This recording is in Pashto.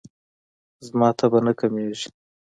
زما تبه نه کمیږي.